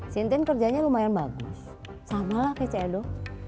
sintin kerjanya lumayan bagus sama lah kayak celo